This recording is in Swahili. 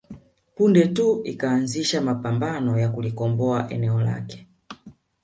Punde tu ikaanzisha mapambano ya kulikomboa eneo lake